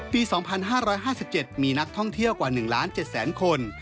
ปี๒๕๕๗มีนักท่องเที่ยวกว่า๑๗๐๐๐๐๐คน